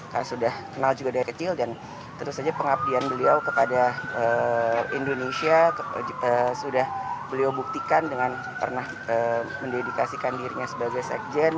karena sudah kenal juga dari kecil dan tentu saja pengabdian beliau kepada indonesia sudah beliau buktikan dengan pernah mendedikasikan dirinya sebagai sekjen